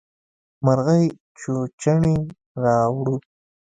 مرغۍ چوچوڼی راووړ.